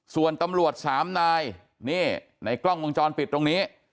ส่วนตำรวจสามนายนี่ในกล้องวงจรปิดตรงนี้